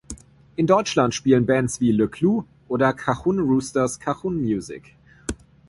In Deutschland spielen Bands wie Le Clou oder Cajun Roosters Cajun-Musik.